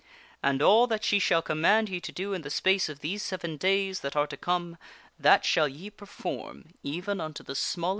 And all that she shall command ye to do in the space of these seven days that are to come, that shall ye perform even unto the smallest grain."